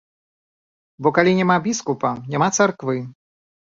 Бо калі няма біскупа, няма царквы!